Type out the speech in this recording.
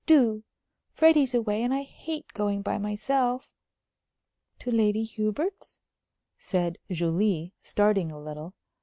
Do! Freddie's away, and I hate going by myself." "To Lady Hubert's?" said Julie, starting a little.